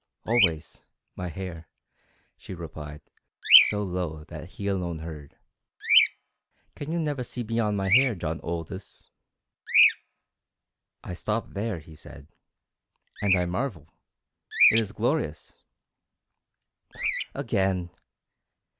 "Always my hair," she replied, so low that he alone heard. "Can you never see beyond my hair, John Aldous?" "I stop there," he said. "And I marvel. It is glorious!" "Again!"